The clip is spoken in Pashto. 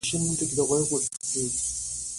کله چې پاکه انرژي وکارول شي، پرمختګ دوام پیدا کوي.